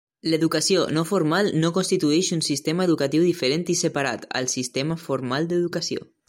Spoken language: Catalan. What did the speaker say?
L'educació no formal no constitueix un sistema educatiu diferent i separat, al sistema formal d'educació.